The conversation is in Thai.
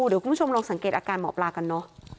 เดี๋ยวคุณผู้ชมลองสังเกตอาการหมอปลากันเนอะ